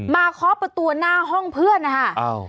เคาะประตูหน้าห้องเพื่อนนะคะ